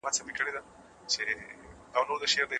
ږغ دي نه راځي